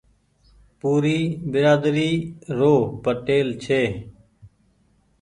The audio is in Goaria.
پوري بيرآدري رو پٽيل ڇي۔